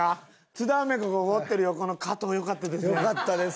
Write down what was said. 津田梅子が怒ってる横の加藤よかったですね。